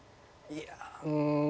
いやうん。